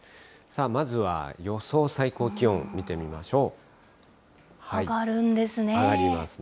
まずは予想最高気温見てみましょう。